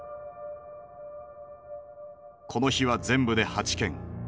この日は全部で８件。